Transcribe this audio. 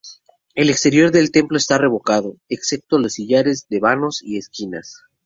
El exterior del templo está revocado, excepto los sillares de vanos y esquinas.